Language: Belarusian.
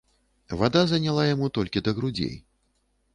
Вада заняла яму толькі да грудзей.